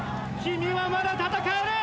君はまだ戦える！